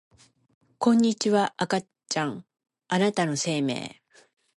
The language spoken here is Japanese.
こんにちは赤ちゃんあなたの生命